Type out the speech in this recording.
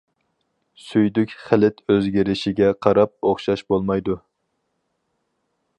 سۈيدۈك خىلىت ئۆزگىرىشىگە قاراپ ئوخشاش بولمايدۇ.